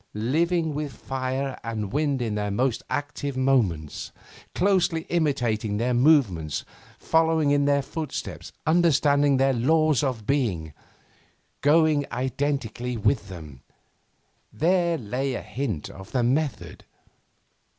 Living with fire and wind in their most active moments; closely imitating their movements, following in their footsteps, understanding their 'laws of being,' going identically with them there lay a hint of the method.